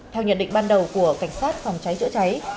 theo nhận định ban đầu của cảnh sát phòng cháy chữa cháy